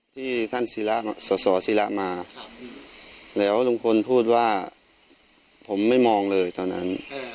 ที่ท่านสสิระมาแล้วลุงพลพูดว่าผมไม่มองเลยตอนนั้น